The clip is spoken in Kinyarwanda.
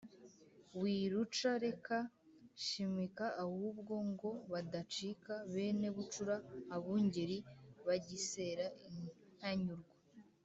Wiruca reka, shimika ahubwo Ngo badacika bene bucura Abungeri bagisera intanyurwa.